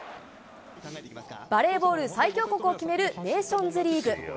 バレーボール最強国を決める、ネーションズリーグ。